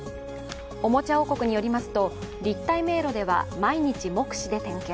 おもちゃ王国によりますと立体迷路では毎日、目視で点検。